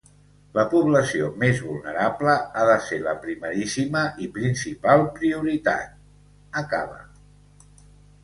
“La població més vulnerable ha de ser la primeríssima i principal prioritat”, acaba.